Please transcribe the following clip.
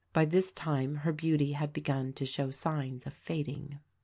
By this time her beauty had begun to show signs of fading.